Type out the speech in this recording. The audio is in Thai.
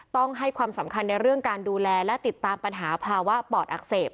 ต้องให้ความสำคัญในเรื่องการดูแลและติดตามปัญหาภาวะปอดอักเสบ